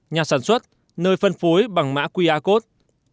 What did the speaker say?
nhà sản xuất nơi phân phối bằng mã qr code